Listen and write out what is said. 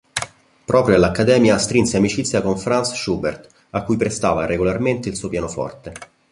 Proprio all'Accademia strinse amicizia con Franz Schubert, a cui prestava regolarmente il suo pianoforte.